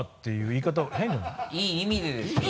いい意味でですよね？